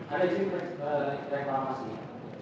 ada isi reklama sih